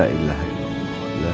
tidak ada tuhan